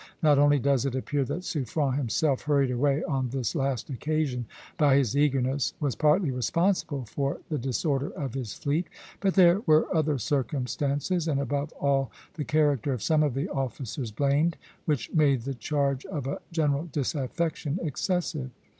Not only does it appear that Suffren himself, hurried away on this last occasion by his eagerness, was partly responsible for the disorder of his fleet, but there were other circumstances, and above all the character of some of the officers blamed, which made the charge of a general disaffection excessive.